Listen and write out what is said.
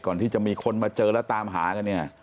ก่อนที่จะมีคนมาเจอแล้วตามหากันเนี่ย